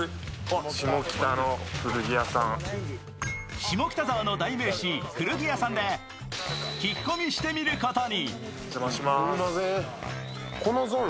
下北沢の代名詞、古着屋さんで聞き込みしてみることに。